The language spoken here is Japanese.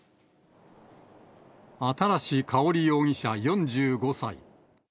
新かほり容疑者４５歳。